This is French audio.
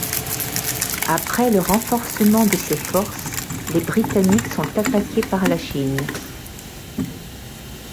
Après le renforcement de ses forces, les Britanniques sont attaqués par la Chine.